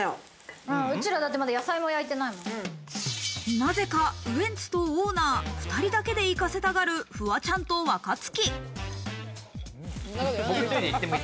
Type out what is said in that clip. なぜかウエンツとオーナー２人だけで行かせたがるフワちゃんと若槻。